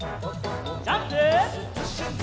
ジャンプ！